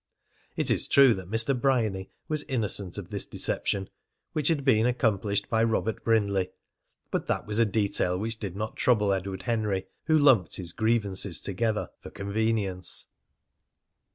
It is true that Mr. Bryany was innocent of this deception, which had been accomplished by Robert Brindley, but that was a detail which did not trouble Edward Henry, who lumped his grievances together for convenience.